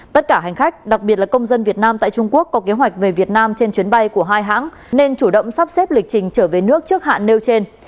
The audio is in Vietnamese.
tất cả hành khách đặc biệt là công dân việt nam tại trung quốc có kế hoạch về việt nam trên chuyến bay của hai hãng nên chủ động sắp xếp lịch trình trở về nước trước hạn nêu trên